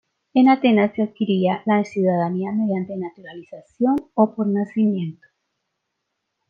En Atenas, se adquiría la ciudadanía mediante naturalización o por nacimiento.